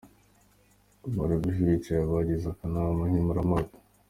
Ahari bube hicaye abagize akanama nkemurampaka.